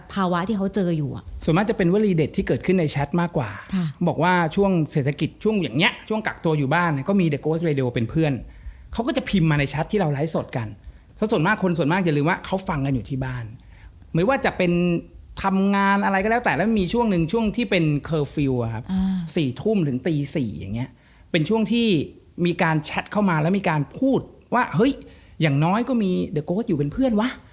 ผมก็เป็นยุคบุกเบิกในการเข้าไปลุย